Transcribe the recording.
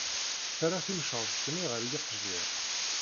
Terra timceḍt-nni ɣer yikejjir.